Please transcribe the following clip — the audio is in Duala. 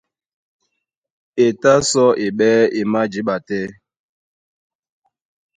E tá sɔ́ é ɓɛ́ e májǐɓa tɛ́.